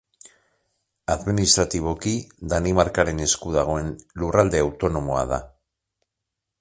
Administratiboki, Danimarkaren esku dagoen lurralde autonomoa da.